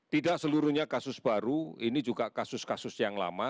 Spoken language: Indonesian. tidak seluruhnya kasus baru ini juga kasus kasus yang lama